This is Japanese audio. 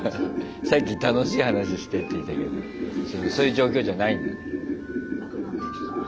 さっき「楽しい話して」って言ったけどそういう状況じゃないんだ。